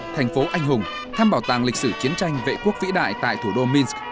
thành phố anh hùng thăm bảo tàng lịch sử chiến tranh vệ quốc vĩ đại tại thủ đô minsk